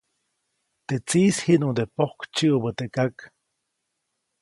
Teʼ tsiʼis jiʼnuŋde pojk tsiʼubä teʼ kak.